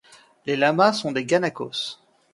Les lamas sont des guanacos